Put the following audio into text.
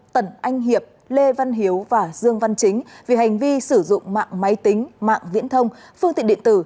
tần anh hiệp lê văn hiếu và dương văn chính vì hành vi sử dụng mạng máy tính mạng viễn thông phương tiện điện tử